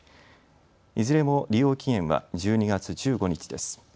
いずれも利用期限は１２月１５日です。